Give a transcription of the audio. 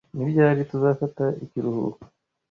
Ni ryari tuzafata ikiruhuko